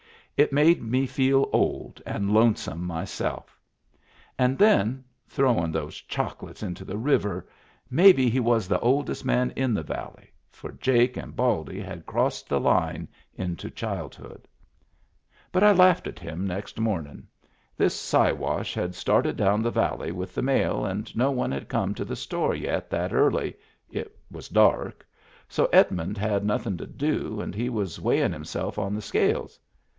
It made me feel old and lone some myself ! And then — throwin' those choco lates into the river! Maybe he was the oldest man in the valley, for Jake and Baldy had crossed the line into childhood. Digitized by Google 2S4 MEMBERS OF THE FAMILY But I laughed at him next momin'. The Si wash had started down the valley with the mail and no one had come to the store yet that early — it was dark. So Edmund had nothin' to do, and he was weighin' himself on the scales.